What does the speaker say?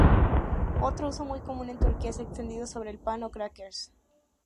Otro uso muy común en Turquía es extendido sobre el pan o crackers.